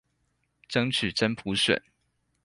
爭取真普選